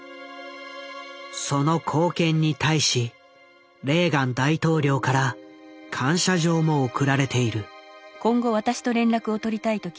その貢献に対しレーガン大統領から感謝状も贈られている。